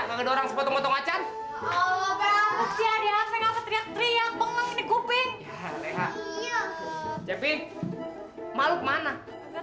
kita susul yuk yuk yuk ayo